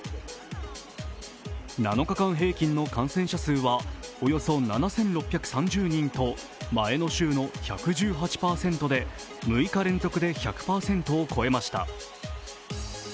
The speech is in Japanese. ７日間平均の感染者数はおよそ７６３０人と前の週の１１８％で６日連続で１００％を超えました。